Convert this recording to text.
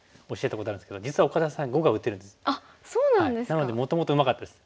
なのでもともとうまかったです。